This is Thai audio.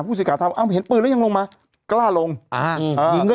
ผู้ศิกาทำอ่ะเห็นปืนแล้วยังลงมากล้าลงอ่าอืมยิงก็